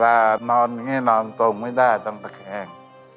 ถ้านอนอย่างนี้นอนตรงไม่ได้ต้องตะแคง